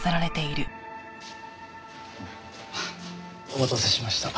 お待たせしました。